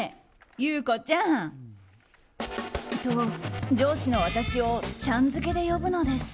と、上司の私をちゃん付けで呼ぶのです。